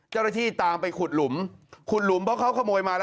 เจ้าระที่ตามไปขุดหลุมเพราะเขาโหมยมาแล้ว